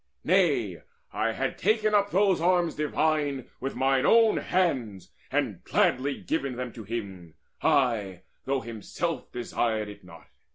Nay, I had taken up those arms divine With mine own hands, and gladly given them To him, ay, though himself desired it not.